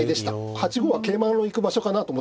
８五は桂馬の行く場所かなと思ってますから。